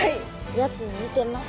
やつに似てます。